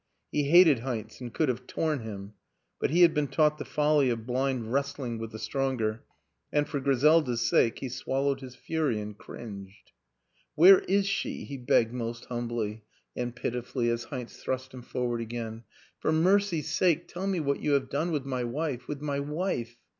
He hated Heinz and could have torn him; but he had been taught the folly of blind wrestling with the stronger and, for Griselda's sake, he swallowed his fury and cringed. " Where is she? " he begged most humbly and WILLIAM AN ENGLISHMAN 119 pitifully as Heinz thrust him forward again. " For mercy's sake tell me what you have done with my wife with my wife?